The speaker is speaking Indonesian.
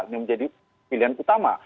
yang menjadi pilihan utama